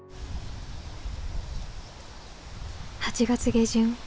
８月下旬。